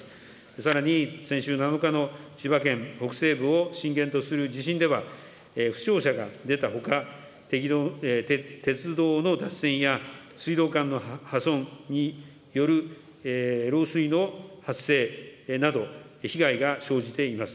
さらに先週７日の千葉県北西部を震源とする地震では、負傷者が出たほか、鉄道の脱線や、水道管の破損による漏水の発生など、被害が生じています。